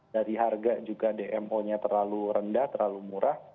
dari harga juga dmo nya terlalu rendah terlalu murah